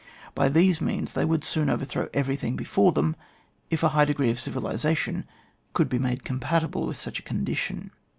By these means they would soon overthrow everything before them if a high degree of civilisation could be made oompaUble with such a condition.